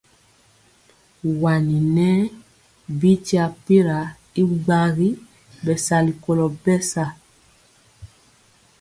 Wani nɛ bi tyapira y gbagi bɛ sali kolo bɛsa.